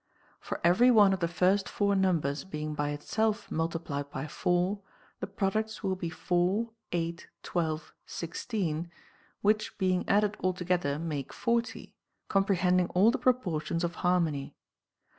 For every one of the first four numbers being by itself multiplied by four, the products will be 4, 8, 12, 16, which being added all together make 40, comprehending all the proportions of harmony.